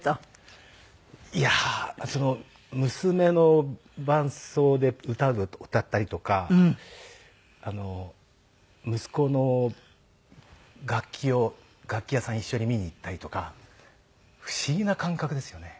いやあ娘の伴奏で歌を歌ったりとか息子の楽器を楽器屋さん一緒に見に行ったりとか不思議な感覚ですよね。